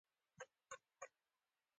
هماغه لويه کوټه وه.